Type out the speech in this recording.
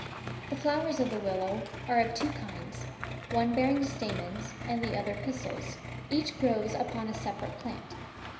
The flowers of the willow are of two kinds one bearing stamens, and the other pistils and each grows upon a separate plant.